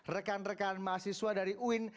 rekan rekan mahasiswa dari uin